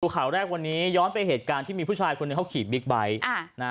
ข่าวแรกวันนี้ย้อนไปเหตุการณ์ที่มีผู้ชายคนหนึ่งเขาขี่บิ๊กไบท์